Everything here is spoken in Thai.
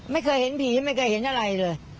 ไม่เคยเห็นผีไม่เคยเห็นอะไรเลย